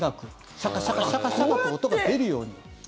シャカシャカ、シャカシャカと音が出るように。